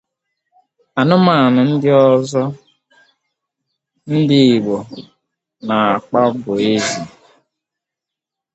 Anụmanụ ndi ozo ndị Igbo na-akpa bụ ezi.